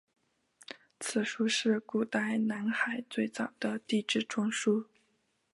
此书是古代南海最早的地志专书。